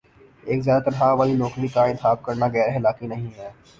ایک زیادہ تنخواہ والی نوکری کا انتخاب کرنا غیراخلاقی نہیں ہے